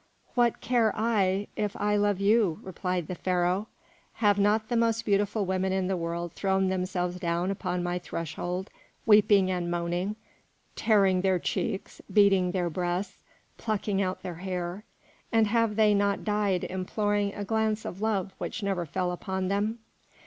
"What care I, if I love you," replied the Pharaoh. "Have not the most beautiful women in the world thrown themselves down upon my threshold weeping and moaning, tearing their cheeks, beating their breasts, plucking out their hair, and have they not died imploring a glance of love which never fell upon them?